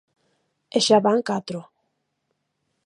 E xa van catro.